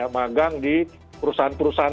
magang di perusahaan perusahaan